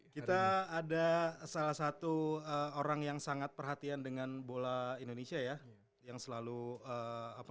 kita ada salah satu orang yang sangat perhatian dengan bola indonesia ya yang selalu apa